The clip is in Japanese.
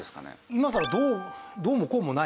「今さらどうもこうもない」。